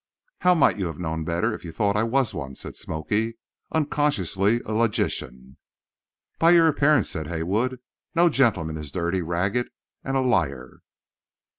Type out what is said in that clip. "How might you have known better if you thought I was one?" said "Smoky," unconsciously a logician. "By your appearance," said Haywood. "No gentleman is dirty, ragged and a liar."